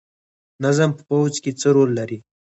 نظم په پوځ کې څه رول لري؟